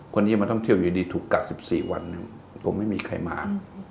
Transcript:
คนนี้มาท่องเที่ยวอยู่ดีถูกกัก๑๔วันผมไม่มีใครมา